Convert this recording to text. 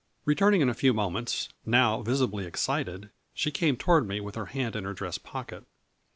Returning in a few moments, now visibly ex cited, she came toward me, with her hand in her dress pocket.